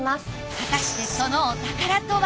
果たしてそのお宝とは？